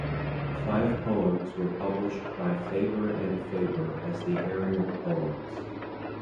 Five poems were published by Faber and Faber as the Ariel Poems.